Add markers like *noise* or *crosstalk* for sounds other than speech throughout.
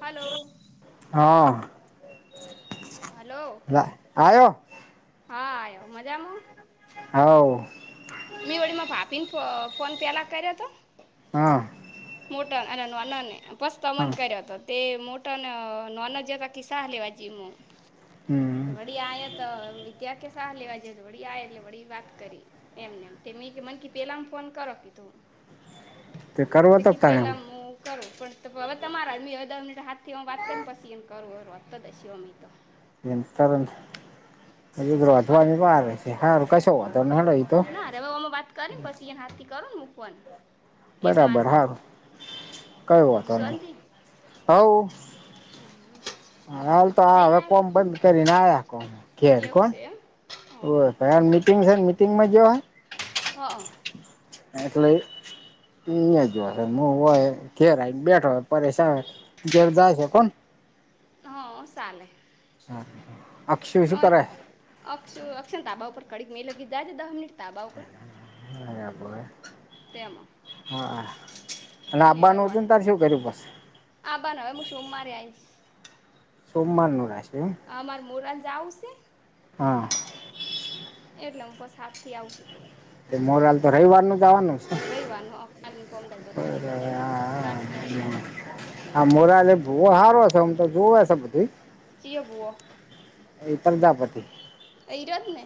Hello હા hello વા આવયો હા આવ્યો મજામા આવ. મેં ઓળીમાં પાપીન ફ ફોન પહેલા કર્યો હતો હા. મોટા અને નાનાને પસ ત મન હા કર્યો હતો તે મોટોન નન જેર કિ સાહ લેવા જીમું હમ. વડી આયા ત વિદ્યા કે સાહ લેવા જ વડી આ એટલે વડી વાત કરી એમને એમ તેમી મને કી પેલામ ફોન કરો કીધું તે કરવો ત કી તનેમ પેલા હું કરું પણ હવે તમારાં *unintelligible* હાથથી હ વાત કરીને પસી એને કરુ *unintelligible* *inaudible* હજુ તેમ સોલ ધ્રોજવા *unintelligible* હારું કશુ વાધો નઈ ઈત ના રે હવે અમે વાત કરીને પસીને હાથી કરુન મુકવાન બરાબર હારુ કય બીજી વાધો નહી શાંતિ હવ હાલ તો આ જઈ હવે નાયક કોમ બંધ કરીને આવ્યા કોને કેલ એવું કોણ છે એમ ઓ ખાર મીટિંગ છે, મીટિંગમાં જો આ હ. એટલે જશે મુ હોય ઘેરે બેઠો હોય પરેશા ધેર જાય છે પણ હ સાલે હા અક્ષવી શું કરે? અક્ષુ અક્ષર તાબા ઉપર કડીક મે લ કીધાજે દહ મિનીટ તાબા ઉપર તેમાં *inaudible* હા અને આબાનું હતું ને તારે શું કર્યું બસ આભાન હવે મુ સોમવારે આયીસ સોમવાારનું રાશે અમાર મોરા જાઉ છે. હા. એટલે હું બસ હાથી આવુ કીધું મોરાલ તો રવીવાર નું જાવાનું રહી વારનું બરાબર *unintelligible* ગાડી કરેલી હે આ મોરાલે બો હારો છે, હું તો જોવે શે બધી કીય બો એ પ્રજાપતિ ઈ રતને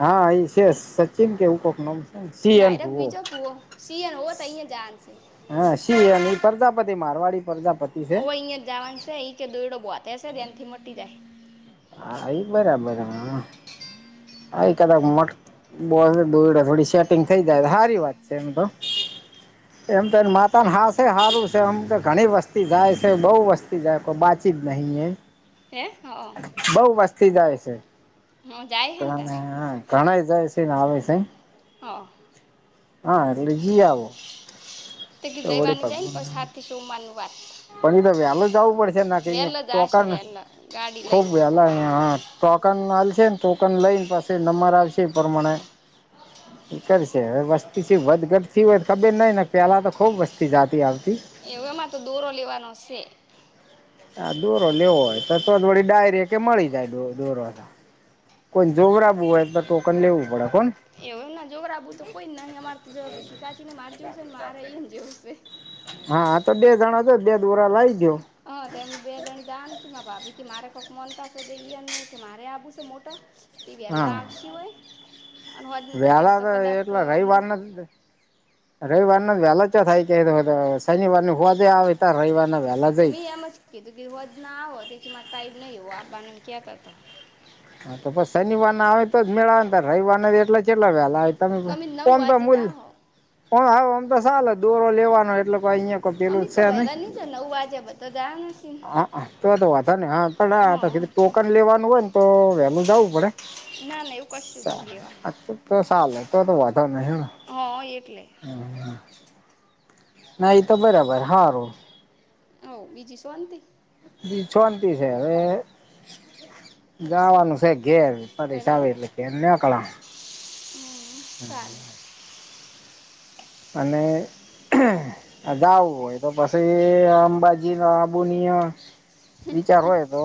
હા એ છે, સચિન કે એવું કોક નમ એટલે *unintelligible* બીજો પુઓ *unintelligible* જાનશે હા શી અને ઈ પરજાપધ મારવાડી પ્રજાપતિ છે ઓ અહિયાં જાવાન સે એ કે દોયડો બોતે છે તેનથી મટી જાય હા એ બરાબર એકાદ મટ બો દોયડે થોડી સેટિંગ થઈ જાય હારી વાત છે, એમ તો એમ તો માતા હાશે હારું છે, એમ તો ઘણી વસ્તી જાય છે, બોવ વસ તી જય પ બાચી નહીં એ હે હ. બઉ વસ્તી જાય છે. હ જાય હે ને તાર ઘણાય જાય છે, ને આવે સે હ. હા એટલે ગી આવો તે ગીધ તો વળી રઈવારની જઈ ને પ પગું સાથી સોવાનું વાત પણ એ તો વેલ જવું પડશે ના કે અ વહેલો જ આવશે ટોકને વહેલો ગાડી ખુબ લઈને વેલા હ ટોકન હાલશે ને ટોકન લઈને પાછ નંબર આવશે એ પ્રમાણે એ કર છે હવે વસ્તી છે વધ ગટથી હો ખબર નઈ ને પેલા તો ખુબ વસ્તી જતી આવતી એમાં તો દોરો લેવાનો હશે હ દોરો લેવો હોય તો તો વડી ડાયરી કે મળી જાય દોરો કોઈને જોવરાબવું હોય એ તોકન લેવું પડે હોને એવું એમના જોગરાબુ તો કોઈ જ નહી અમારે તો જવાબી કાચી ને મારે જવશે ને મારે એને જેવશે હા તો બે જણા જ બે દોરા લાવી ગો હ તોમ બે જણી જા નથી નથી ભાભી કે મારે કોક મનતા છે ઈ કે મારે આવું છે, મોટા તે વલા હા આવશ હોય અને હોજને જતા રહે વેલા તો કદાચ અ, એટલા રહી હું વાર નથી દ રવિવાર નો વહેલો જ થાય કે શનિવાર હોવાજે આવે ત રવિર તો મેં એમ જ કીધું કે હોજ ના આવો તો ટાઈમ નહી, હો આ બાનેમ કહેતા ત હા તો પછ શનિવાર ના આવે તો જ મેળ આવે ને ત રવિવારના એટ કેટલા વેલા તમે અમે નવ કોન તો વાગે જ મૂલ આવો હ હવે આમ તો ચલે દોરો લેવાનો એટલે કો અહિયાયા કપેલું અમે કહો છે નહી વહેલા નહીં જાઓ નવ વાગે બધા જાય નથી ને. હ તો આ તો વધા ને હા હા પણી ટોકન એટલે લેવાનું હોય ને તો વેલું જવું પડે ના ના એવું કશું જ નહીં લેવાનું તો ચલે તો તો વધો નહી હા એટલે હ હ ના તો બરાબર હારુ હ બીજી શવાંતિ બી છોંતી છે હવે જવાનું છે, ઘે પરીસા આવેટલે છે એને આકળ હમ્મ ચાલ અને જાવું હોય તો પછી અંબાજી ના આબુનિયા વિચાર હોય તો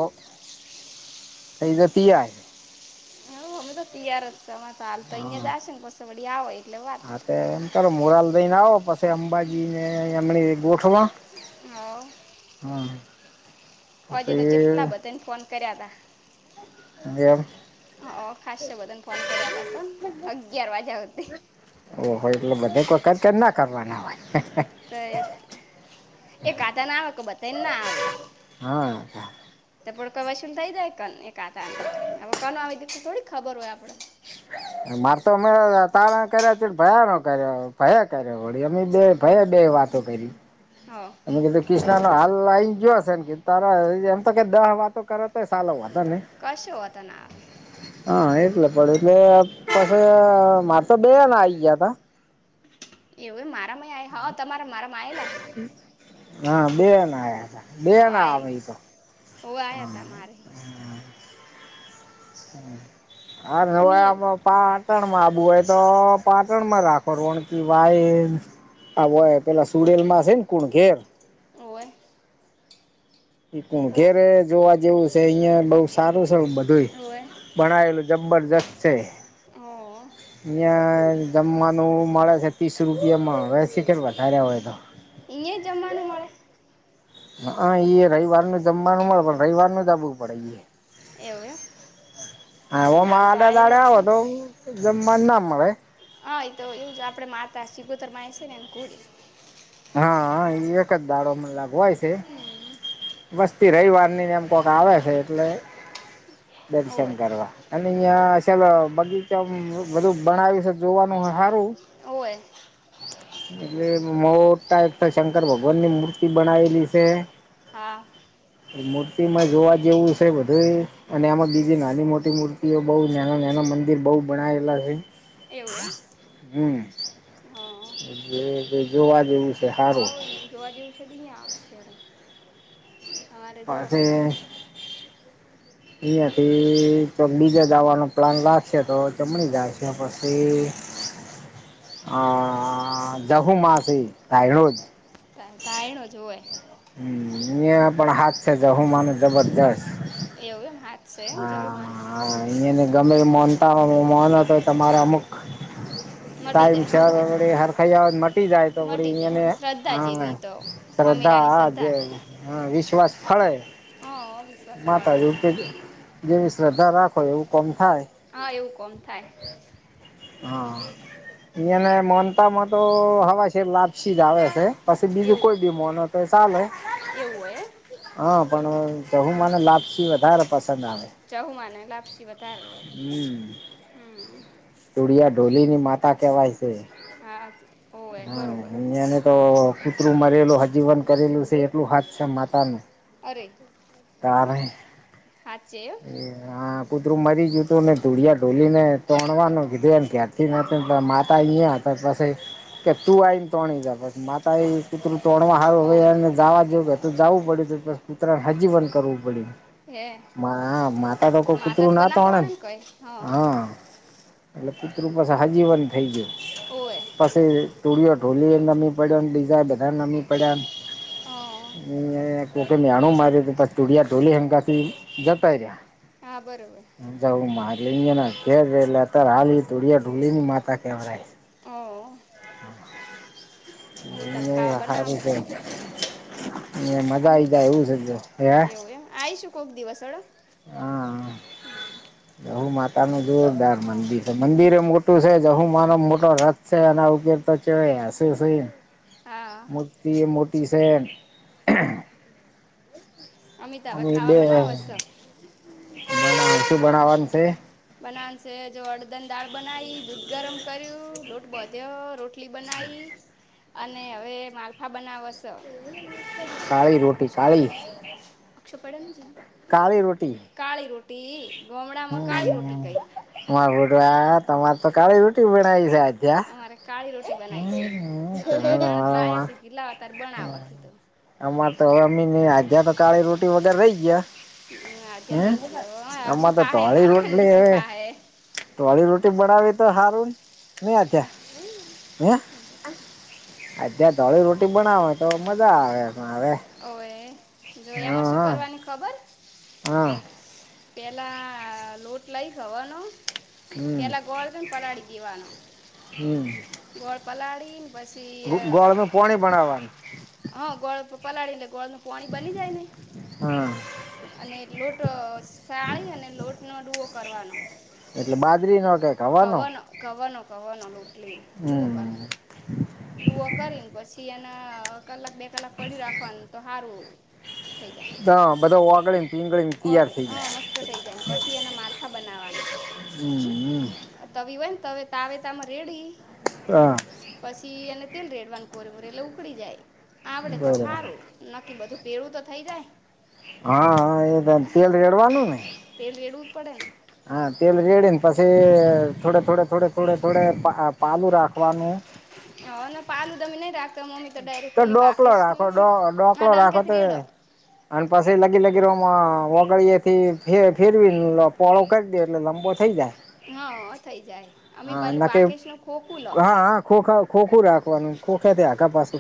થઈ જ તય હો અમે તો તય જ ચાલ તો અહિયાં હા જાય છે ને બસ વળી આવ હોય હા તો એમ કરો મોરાલ દઈને આવો પછી અંબાજીને એમ ગોઠવા હા- હા હોજે તો જેટલા બધાને ફોન કર્યા હતાા જેમ હ ખાસ્ય બધન ફોન કર્યા ત કો અગિયાર વાજ્યા હોતી. ઓ હોય એટલે બધા વખત કેમ ના કરવાના હોય ક એ કાટ ના આવે તો બતાયને ના આવે હા તો પણ કઈ શુંન થઈ જાય કન એકાતા ન હવે કન આવી દખ થોડીક ખબર હોય આપડે હ મારે તો અમે તારણ કર્યા છે ભયાનો કર્યો ભયા કર્યો વળી અ બે ભય બે વાત તો ફરી હા મે કીધું ક્રષ્નો હાલ લઈને જોયો હશે ને તારા એમ તો ક દહ વાતો કરો તોય સારો હતો ને કશે હોતાના હા એટલે પડે એટલે પાછ મારે તો બે આ ગયા, તા એવું મારામાં હા તમારા મારામાં આવેલાહી હા બે એ ના આવ છે. હા બેના તો હ મારી હ આ તે હવા, મી આમાં પાટણ માં આવુ હોય તો પાટણ માં રાખો કી વાયમ આ ઓય પેલા સુડેલ માં હશે ને કુણ ઘેર હોવે. ુણ ઘેરે જોવા જેવું છે અહિયાયા બઉ સારું છે બધું ઓવે બણાવેેલું જબરજસ્ત છે. હા. અહીંયા જમવાનું મળે છે ત્રીસ રૂપિયામાં હવે સી ખબર વધાર્યા હોય તો એ યા જ જમવાનું મળે. હા એ રવિવારનું જમવાનું મળે પણ રવિવારનું જબવું પડે એ એવું અમ. હા ઓમા આડા દાડે આવો તો જમવા ના મળે હા તો એવું જ આપડે માતા સિગોતર માં એ છે ને એ કુડી હા એ એક જ દાડો મન લાગહોય છે. વસ્તી રવિવારની જેમ કોક આવે છે એટલે દર્શન ઓય કરવા અને અહંયા શલ બગીચા બધું બણાવ્યું છે જોવાનું સારું હોવે હ એટલે મોટા એક તો શંકર ભગવાન ની મૂર્તિ બનાવેલી છે. હા. મૂર્તિ માં જોવા જેવું છે બધું અને એમાં બીજી નાની મોટી મૂર્તિઓ બહુ નાના નાના મંદિર બહુ બનાયેલા છે. એવું એમ હમ હા જે જોવા જેવું છે સારું આવો જોવા જેવું છે બી આવશે અરે અમારે જો અહિયાયા થી ચોક બીજા જવાનો પ્લાન લાગશે તો ચમણી જાય છે પછી અ જહુ માસી *unintelligible* સાણ જ તાયનો જ હોય. હ પણ હાથ છે જહો માનું જબરજસ્ત એવુ એમ સારુ હા હા અહીંયા ને ગમે મનતા હો મોન હતો તમારે અમુક મટી ટાઈમ જાય છે હરખાઈ આવે મ તટી જાય તો પડી મટી જાય અહયાને શ્રદ્ધા હા જેવી તો શ્રદ્ધા હમીરાની આજ હા વિશ્વાસ ફળે. હ વિ માતાજીવ કે જેવી શ્રદ્ધા રાખો એવું કોમ થાય. હા એવું કોમ થાય. હા ઈયાન મોનતા માં તો હવા શેર લાપસી જ આવે છે. પછી બીજું એવું કોઈ બી મો ન તો ચાલે એવું હોય એમ હા પણ જહુ મા ને લાપસી વધારે પસંદ આવે. જાહુંમાને લાપસી વધ હમ. ચુડિયા, ઢોલીની માતા કેવાય છે હા ઓવે હ બરોબર અન્યાને તો કુતરું મરેલું હજીવન કરેલું છે એટલું હાથ છે માતાનું અરે તાર સાચે એમ એ હા કૂતરું મરી ગયતું ને ધૂુળિયા ઢોલી ને તોણવાનું કીધું એમ ઘેર થી *inaudible* કે માતા અયા હતા પછ કે તું આવીને તોણી જા *unintelligible* મા તા એ કુતું તોણવા સારું ઓવે એને જવા જો જવું પડ્યું કૂતરાને હજી પણ કરવું પડ્યું. હે મા માતા તો કોઈ માતા કૂતરું જ ના કના તોણે ને કઈ હા એટલે કુતરુ પસે હાજીવન થઈ ગયું. હોવે પસી તુળિયો ઢોલીએ નમી પડ્યોને બીજા બધા નમી પડ્યા ન હા અહીંયા કોકે મેણું માર્યું તું પછી તુરીયા ઢોલી એમ કાક ઈ જતા રહ્યા. હા બરોબર. હમજાવુ માટલી એન રેલ અતારે હાલ એ તુડિયા ઢોલીની માતા કેવરાય. અઅ હહ હહ અંતર ખાવા બનાવસ. એ મજા આઈ અમી જાય એવું છે જો હે એવું એમ આઈશું કોક દિવસ હેડો. હહ હહ ગૌ માતાનું જોરદાર ઓ મંદિર સે. મંદિરે મોટું સે જહુમાનો મોટો રથ સે એના ઉપયોગ તો ચેવાય આસુસી. હા ઈ એ મોટી સેન. અમી ત હવે ખાવા બનાવ સ. બોલો શું બણાવાનું સે? બનાવાનું સે જો અડદન દાળ બનાઈ, દૂધ ગરમ કર્યું, લોટ બોધ્યો, રોટ ટલી બનાઈ અને હવે માલફા બનાવશ. કાળી રોટી કાળી અક્ષપાળાની જમીન કાળી રોટી કાળી રોટી ગોમડામાં કાળી રોટી કઈ. માર બેટો આ તમાર તો કાળી રોટી બનાઈ છે આજ. ગયા? અમારે કાળી રોટી બનાવી છે અમારે નણદ *inaudible* બાયા છે કીધું લાવ તાર બનાવવા કીધું અમાર તો હવે અમીની આધ્યા તો કાળી રોટી વગર રહી ગયા. હમ, આ હે ત્યાં રહી ગયો હવે અક્ષુ અમાર તો ખાહે ને ધોળી હાટાન રોટલી નિશુ હવે ખાહે ધોળી રોટી બનાવી તો હારું ન ને આધ્યા હે આધ્યા ધોળી રોટી બનાવે તો મજા આવે પણ હવે હોવે જો એમાં શું કરવાની ખબર? હહ પેલા લોટ લઇ ગવનો હમ પેલા ગોળ છ ને પલાળી દેવાનો, હમ ગોળ પલાળીને પછ સી અ ગોળ નું પોણી બનાવાનું હોવ ગોળ પલાળી એટલે ગોળનું પોણી બની જાય ને હહ અને લોટ સાળી અને લોટનો ડુવો કરવાનો. એટલે બાજરીનો જ ગવનો ગવનો ગવનો લોટ લઈને ડુઓ હમ કરવાનો. ડુવો કરીન પસી એને કલાક બે કલાક પડ્યું રાખવાનું તો હારું થઈ જાય. દ બધાં ઓગળી ન ઓગળી ન હહ મસ્ત થઇ જાય ને પસી એના માલફા બનાવાના. હમ અ તવી હોય ને તવે તાવેતામાં રેડી હા પસી એને તેલ રેડવાનું કોરે મોરે એટલે ઉકળી જાય. આવડે તો બરાબર હારું. નક્કી બધું ભેળું તો થઈ જાય. હહ હહ એ તે તેલ રેડવાનું ને? તેલ રેડવું જ પડે ન. હા તેલ રેડી ન પસે થોડે થોડે થોડે થોડે થોડે પા પાલું રાખવાનું. હ હવે ને પાલુ દમી નહી રાખતા મમ્મી તો ડાયરેક્ટ પેલી ડોકલો બાકસ ને રાખો હોય ને ડોકલો એમાં રાખો ડંકેથી તો રેડો. અને પછી લગીર લગીરમાં ઓગડીએથી ફેરવી પળો કરી દે એટલે લંબો થઇ જાય હા થઇ જાય અમે હા પાલું નકે બાકેશ નું ખોખું લો હા હા ખો ખા ખોખું રાખવાનું ખોખે આગા પાસું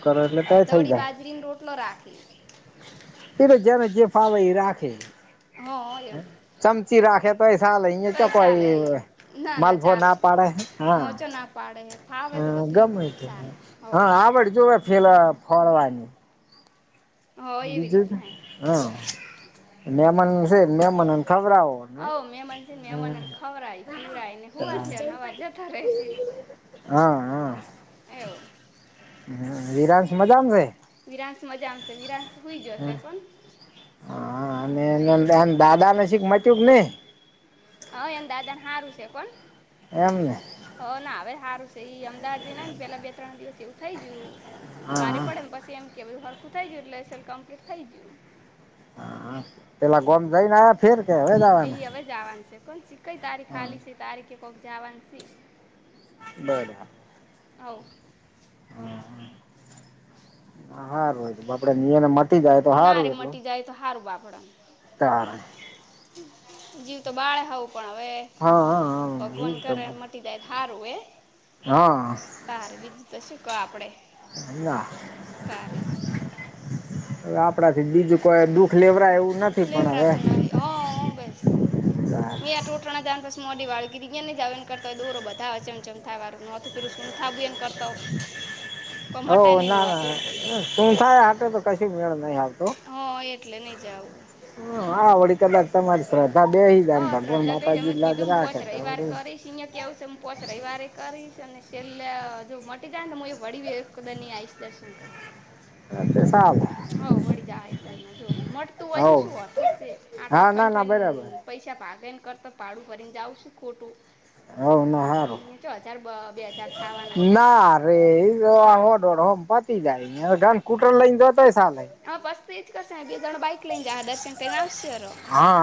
અડધવડી બાજરીનો રોટલો રાખે એલે જને જે ફાવે એ રાખે હા એમ ચમચી રાખે તો એ સાલે અહ તો એ કોઈ ચાલે એ ના માલફો ચાલે ના પાડે હા હચો ના પાડે તો હા, બધુંય ગમે ચાલે હો હા આવડ જોવે ફેલા ફળવાની હો એવી બીજું રીતના એમ જ હા મેમન છે, મેમનને ખબર આવ હ મહેમાન છેને મહેમાનને ખવડય પીવરાય ને હુંવાર છે અને હવાર જતા રહેશે. હા એ હ વરાસ મજામ છે. વિરાંશ મજામાંશે વિરાશ હોઈ જશે પણ હા અને એ એમ દાદા ન શીખ મચ્યું કે નઈ હ એ જન હારું છે, કોન એમને હ ના હવે સારું છે એઈ અમદાવાદ જઈ ને ને પેલા બે ત્રણ દિવસ એવું થઈ ગયુ. પારે હા પડેને પછી એમ કે બધું હરખું થઈ ગયું એટલે એલ કમ્પ્લીટ થઈ ગયુ. હા પેલા ગમ જઈને આવ ફેર કે હોય, જવાને વાનું છે કોણ સી કઈ તારીખ ખાલી છે તારીખે કોક જવાનું છે. બરા આવ હમ્મ હા, હાાર બ બાપાે નને મ ના રે મટી જાય તો સારું બાપડને તાર જીવ તો બાળે હવું પણ હવે હા હા ભગવાન કરે મટી દાય હારું એ હા તાર બી શ શું ક આપડે ના હ તારે આપડાથી બીજું. કોઈ દુઃખ લેવરા એવું નથી પણવે લેવરાતું હ બેસ *unintelligible* મેંોળના જસ મોડી વાળીધ ત્યાં નઈ જાવ એને કરતા હો દોરોધા અ ચમચમ થાય વાનુંું હતું પેલુ હથાબી એન કરતા કોઈ મટે નહી ન હોતુ તું થાય હ તો કશ મેળ નહી, આવતો હા એટલે નહીં જવું હ હડી કદાચ તમારી શ્રદ્ધા બેસી હ જાય ભગવાન માતાજી લ જ રાખે સિ્ય કવું છે, હું પોચ રવવારે કરીશ અને સેલ જો મટી જાય ને તો હું એ વળી એકદ ન આવીશ દર્શન કરવા હા પ સાબ હ વળી જ એકદમ ના જોવ મળટતું હોય હો તો શું હોતો છે આટલો હા ના ઠઈ ના થઠઈન બરાબર પૈસા ભાગે ને કરતા પાાડું ભરીને જાાવ છું ખોટુ હ ના, હારું બ- બે હજાર થવાના છે ના રે તારે તોમ જને ગન કુટરાર લઈ દો ત સાલેે હા બસતી ઈજ કરશે એ બે જણ બક લંગને જા દર્શન કરીને આ આવસો હા